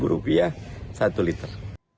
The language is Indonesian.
rp empat belas satu liter